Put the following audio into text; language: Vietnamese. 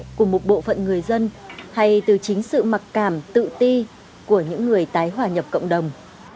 sự khó khăn xuất phát từ bộ phận người dân hay từ chính sự mặc cảm tự ti của những người tái hòa nhập cộng đồng